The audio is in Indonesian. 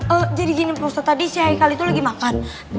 ee jadi gini poset tadi si haikal itu lagi makan